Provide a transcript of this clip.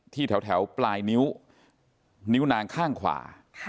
แถวปลายนิ้วนิ้วนางข้างขวา